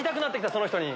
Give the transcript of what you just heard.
その人に。